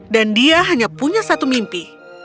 dan dia hanya punya satu mimpi